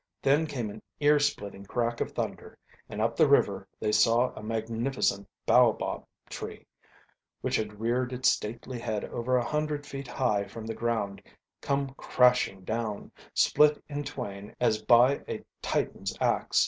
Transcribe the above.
Then came an ear splitting crack of thunder and up the river they saw a magnificent baobab tree, which had reared its stately head over a hundred feet high from the ground, come crashing down, split in twain as by a Titan's ax.